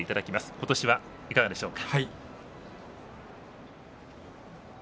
今年はいかがでしょうか？